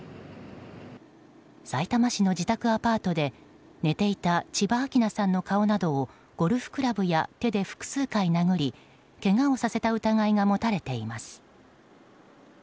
さいたま市の自宅アパートで寝ていた千葉晃奈さんの顔などをゴルフクラブや手で複数回殴り、けがをさせた疑いが持たれています。